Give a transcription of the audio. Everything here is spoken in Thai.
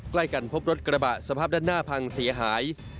ใกล้กันพบรถกระบะสภาพด้านหน้าพังเสียหาย